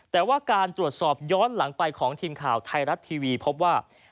แต่ว่าการตรวจสอบย้อนหลังไปของทีมข่าวไทยรัฐทีวีพบว่า